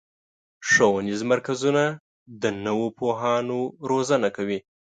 ښوونیز مرکزونه د نوو پوهانو روزنه کوي.